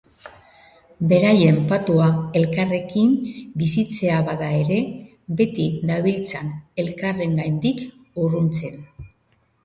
Beraien patua elkarrekin bizitzea bada ere, beti dabiltza elkarrengandik urruntzen.